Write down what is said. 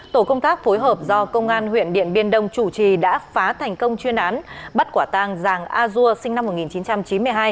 tổ công tác phối hợp do công an huyện điện biên đông chủ trì đã phá thành công chuyên án bắt quả tàng giàng a dua sinh năm một nghìn chín trăm chín mươi hai